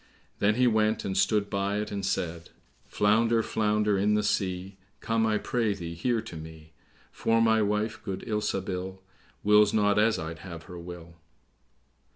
Then he went and stood by it, and said, "Flounder, flounder in the sea, Come, I pray thee, here to me; For my wife, good Ilsabil, Wills not as I'd have her will."